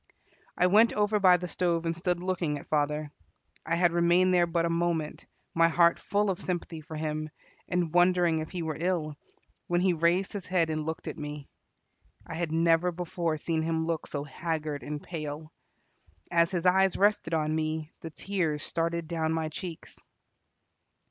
I went over by the stove and stood looking at father. I had remained there but a moment, my heart full of sympathy for him, and wondering if he were ill, when he raised his head and looked at me. I had never before seen him look so haggard and pale. As his eyes rested on me, the tears started down my cheeks.